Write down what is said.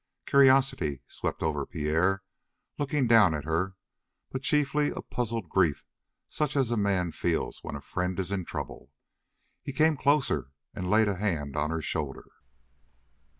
Curiosity swept over Pierre, looking down at her, but chiefly a puzzled grief such as a man feels when a friend is in trouble. He came closer and laid a hand on her shoulder.